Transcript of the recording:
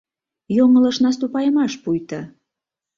Йоҥылыш наступайымаш пуйто.